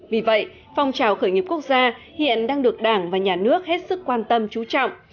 vì vậy phong trào khởi nghiệp quốc gia hiện đang được đảng và nhà nước hết sức quan tâm trú trọng